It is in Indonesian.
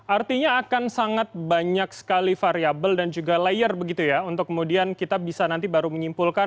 artinya akan sangat banyak sekali variable dan juga layer begitu ya untuk kemudian kita bisa nanti baru menyimpulkan